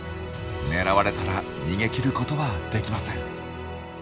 狙われたら逃げきることはできません。